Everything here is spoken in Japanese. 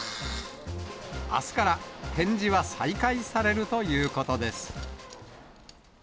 あすから展示は再開されるということです。